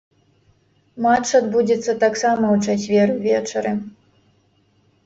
Матч адбудзецца таксама ў чацвер увечары.